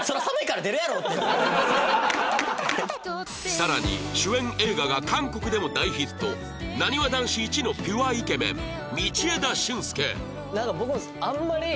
さらに主演映画が韓国でも大ヒットなにわ男子イチのピュアイケメン道枝駿佑